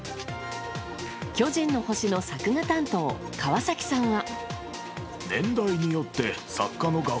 「巨人の星」の作画担当川崎さんは。